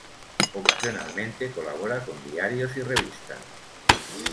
Ocasionalmente colabora con diarios y revistas.